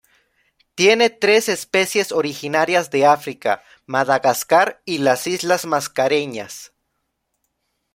Tiene tres especies originarias de África, Madagascar y las islas Mascareñas.